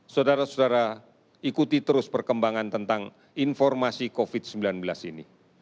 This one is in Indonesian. saudara saudara ikuti terus perkembangan tentang informasi covid sembilan belas ini